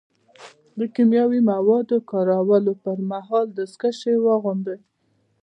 د کیمیاوي موادو کارولو پر مهال دستکشې واغوندئ.